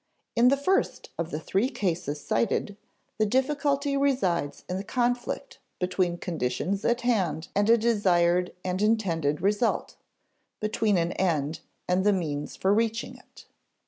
In the first of the three cases cited, the difficulty resides in the conflict between conditions at hand and a desired and intended result, between an end and the means for reaching it.